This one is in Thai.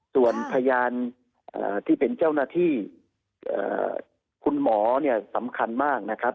ส่วนพยานที่เป็นเจ้าหน้าที่คุณหมอสำคัญมาก